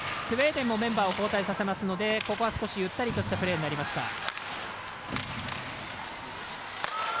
スウェーデンもメンバーを交代させますのでここは少しゆったりとしたプレーになりました。